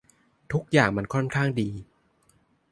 ทุกอย่างมันค่อนข้างดี